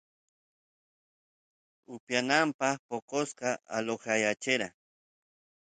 upiyanapaq poqosta alojayachera